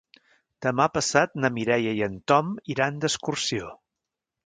Demà passat na Mireia i en Tom iran d'excursió.